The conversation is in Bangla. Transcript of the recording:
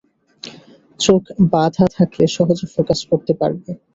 চোখ বাধা থাকলে সহজে ফোকাস করতে পারবে।